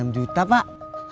enam juta pak